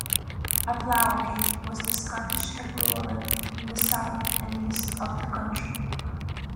A ploughgate was the Scottish equivalent in the south and east of the country.